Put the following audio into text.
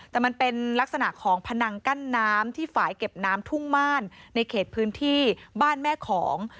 แต่มันเป็นลักษณะของพนังกั้นน้ำที่ฝ่ายเก็บน้ำทุ่งม่านในเขตพื้นที่บ้านแม่ของ